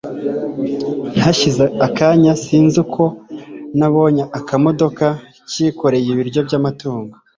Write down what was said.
hashize akanya sinzi uko nabonye akamodoka kikoreye ibiryo byamatungo